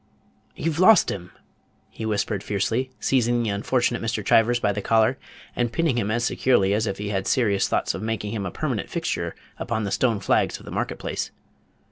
"You've lost him!" he whispered fiercely, seizing the unfortunate Mr. Chivers by the collar, and pinning him as securely as if he had serious thoughts of making him a permanent fixture upon the stone flags of the market place.